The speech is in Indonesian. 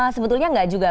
sebetulnya enggak juga